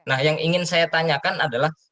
nah yang ingin saya tanyakan adalah